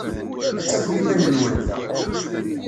Ad tafem iman-nwen da.